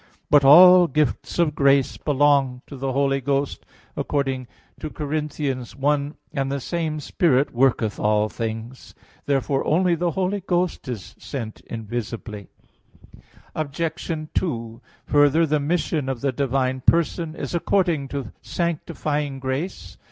But all gifts of grace belong to the Holy Ghost, according to 1 Cor. 12:11: "One and the same Spirit worketh all things." Therefore only the Holy Ghost is sent invisibly. Obj. 2: Further, the mission of the divine person is according to sanctifying grace.